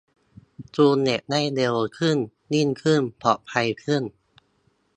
จูนเน็ตให้เร็วขึ้น นิ่งขึ้น ปลอดภัยขึ้น